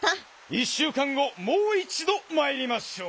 いっしゅうかんごもういちどまいりましょう。